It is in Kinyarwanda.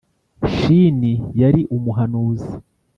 Shini yari umuhanuzi